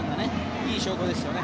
いい証拠ですよね。